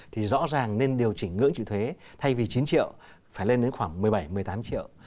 thì rõ ràng nên điều chỉnh ngưỡng chịu thuế thay vì chín triệu phải lên đến khoảng một mươi bảy một mươi tám triệu